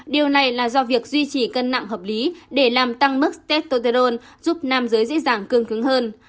điều này là do việc duy trì cân nặng hợp lý để làm tăng mức testosterone giúp nam giới dưới giảm cưng cưng hơn